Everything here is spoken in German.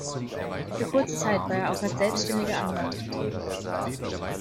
Für kurze Zeit war er auch als selbständiger Anwalt tätig.